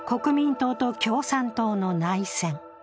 党と共産党の内戦。